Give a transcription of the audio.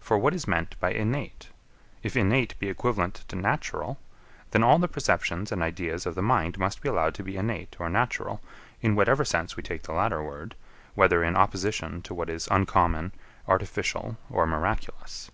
For what is meant by innate? If innate be equivalent to natural, then all the perceptions and ideas of the mind must be allowed to be innate or natural, in whatever sense we take the latter word, whether in opposition to what is uncommon, artificial, or miraculous.